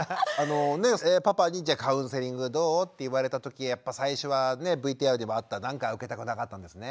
パパに「カウンセリングどう？」って言われたときやっぱ最初はＶＴＲでもあったなんか受けたくなかったんですね。